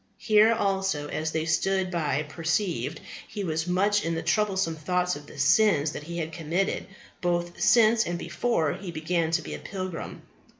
Here also, as they that stood by perceived, he was much in the troublesome thoughts of the sins that he had committed, both since and before he began to be a pilgrim.